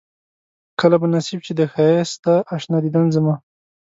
کله به نصيب شي د ښائسته اشنا ديدن زما